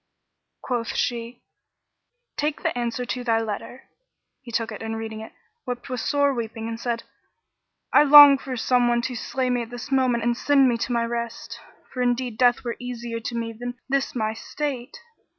Quoth she, "Take the answer to thy letter." He took it and reading it, wept with sore weeping and said, "I long for some one to slay me at this moment and send me to my rest, for indeed death were easier to me than this my state!"